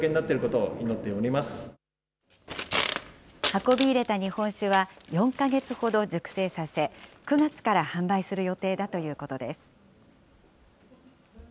運び入れた日本酒は４か月ほど熟成させ、９月から販売する予定だということです。